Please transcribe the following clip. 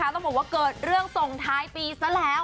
ต้องบอกว่าเกิดเรื่องส่งท้ายปีซะแล้ว